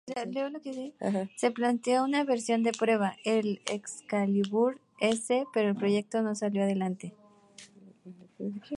Se planeó una versión de prueba, el Excalibur-S, pero el proyecto no salió adelante.